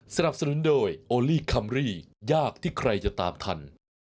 สนับสนุนโดยโอลี่คัมรี่ยากที่ใครจะตามทัน